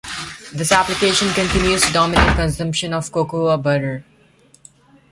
This application continues to dominate consumption of cocoa butter.